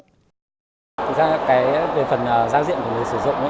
thực ra cái về phần giao diện của người sử dụng